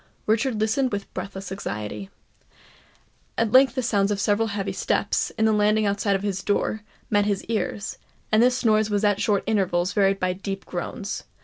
Richard listened with breathless anxiety. At length the sounds of several heavy steps, in the landing outside his door, met his ears; and this noise was at short intervals varied by deep groans.